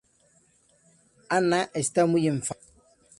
Anna está muy enfadada.